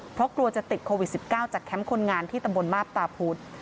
เพราะกลัวจะติดโควิด๑๙จากแคมป์คนงานที่ตำบลมาบตาพุธ